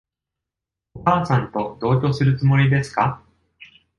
お母さんと同居するつもりですか？